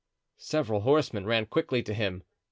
Several horsemen ran quickly to him.